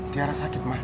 tiara sakit mah